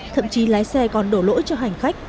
thậm chí lái xe còn đổ lỗi cho hành khách